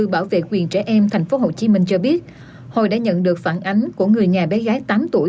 bảo vệ quyền trẻ em thành phố hồ chí minh cho biết hồi đã nhận được phản ánh của người nhà bé gái tám tuổi